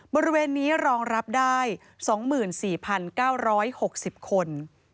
บริเวณนี้รองรับได้๒๔๙๖๐คน